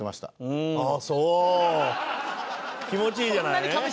気持ちいいじゃない。